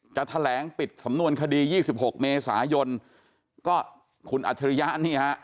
แถลงปิดสำนวนคดี๒๖เมษายนก็คุณอัจฉริยะนี่ฮะ